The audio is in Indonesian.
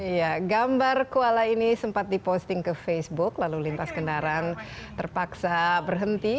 iya gambar kuala ini sempat diposting ke facebook lalu lintas kendaraan terpaksa berhenti